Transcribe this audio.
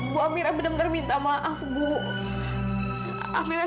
sampai jumpa di video selanjutnya